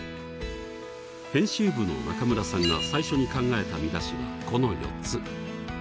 編集部の中村さんが最初に考えた見出しはこの４つ。